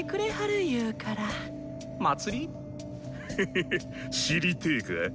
フフフ知りてぇか？